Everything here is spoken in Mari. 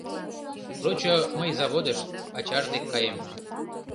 Лучо мый заводыш, ачаж дек каем.